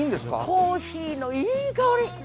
コーヒーのいい香り！